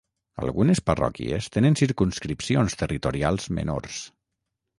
Algunes parròquies tenen circumscripcions territorials menors.